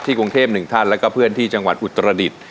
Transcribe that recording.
กรุงเทพหนึ่งท่านแล้วก็เพื่อนที่จังหวัดอุตรดิษฐ์